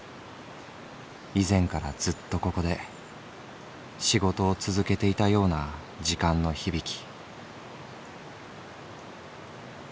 以前からずっとここで仕事を続けていたような時間の響き」。